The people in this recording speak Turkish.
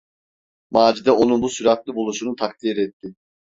Macide onun bu süratli buluşunu takdir etti.